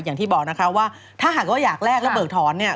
อย่างที่บอกนะคะว่าถ้าหากว่าอยากแลกแล้วเบิกถอนเนี่ย